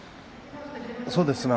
そうですね。